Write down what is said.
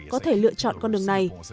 có thể lựa chọn con đường này